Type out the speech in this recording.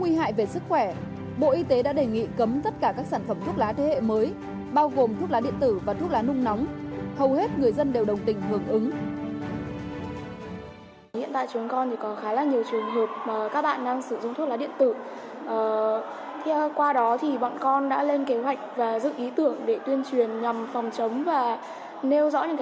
theo các chuyên gia y tế thuốc lá điện tử và thuốc lá nung nóng dễ gây nghiện ảnh hưởng phát triển non bộ của trẻ em và thanh thiếu niên